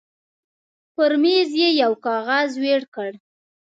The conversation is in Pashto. پر مېز يې يو کاغذ وېړ کړ.